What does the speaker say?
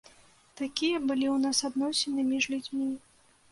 Такія былі ў нас адносіны між людзьмі.